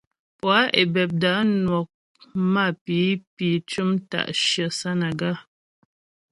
Poâ Ebebda nwɔk mapǐpi cʉm ta'shyə Sánaga.